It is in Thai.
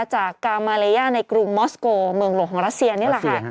จากกามาเลย่าในกรุงมอสโกเมืองหลวงของรัสเซียนี่แหละค่ะ